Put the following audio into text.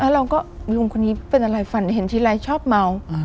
แล้วเราก็ลุงคนนี้เป็นอะไรฝันเห็นทีไรชอบเมา